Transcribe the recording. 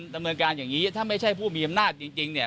ดำเนินการอย่างนี้ถ้าไม่ใช่ผู้มีอำนาจจริงเนี่ย